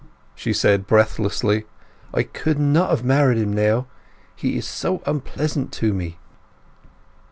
she said breathlessly; "I could not have married him now! He is so unpleasant to me."